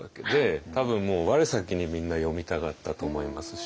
多分もう我先にみんな読みたがったと思いますし。